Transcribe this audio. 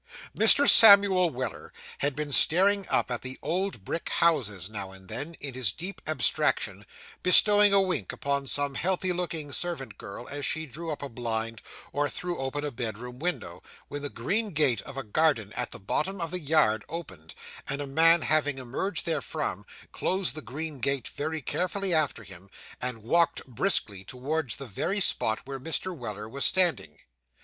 Mr. Samuel Weller had been staring up at the old brick houses now and then, in his deep abstraction, bestowing a wink upon some healthy looking servant girl as she drew up a blind, or threw open a bedroom window, when the green gate of a garden at the bottom of the yard opened, and a man having emerged therefrom, closed the green gate very carefully after him, and walked briskly towards the very spot where Mr. Weller was standing.